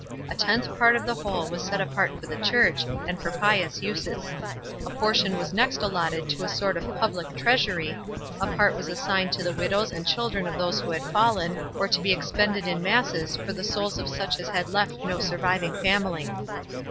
A tenth part of the whole was set apart for the church, and for pious uses; a portion was next allotted to a sort of public treasury; a part was assigned to the widows and children of those who had fallen, or to be expended in masses for the souls of such as had left no surviving family.